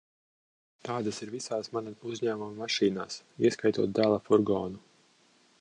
Tādas ir visās mana uzņēmuma mašīnās, ieskaitot dēla furgonu.